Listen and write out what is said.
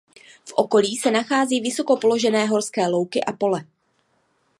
V okolí se nachází vysoko položené horské louky a pole.